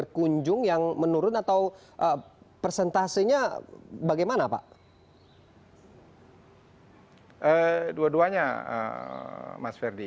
dua duanya mas ferdi